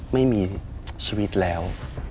ไม่มีชีวิตแล้ว